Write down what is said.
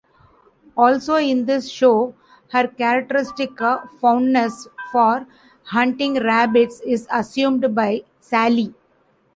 Also in this show, her characteristic fondness for hunting rabbits is assumed by Sally.